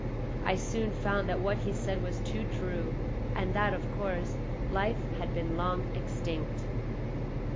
I soon found that what he said was too true, and that, of course, life had been long extinct.